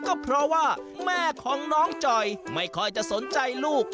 ก็เพราะว่าแม่ของน้องจอยไม่ค่อยจะสนใจลูก